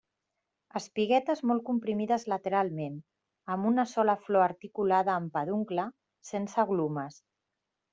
Espiguetes molt comprimides lateralment, amb una sola flor articulada amb el peduncle, sense glumes.